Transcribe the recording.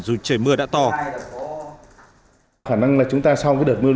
dù trời mưa đã to